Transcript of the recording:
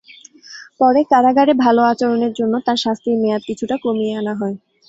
পরে কারাগারে ভালো আচরণের জন্য তাঁর শাস্তির মেয়াদ কিছুটা কমিয়ে আনা হয়।